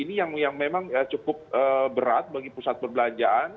ini yang memang cukup berat bagi pusat perbelanjaan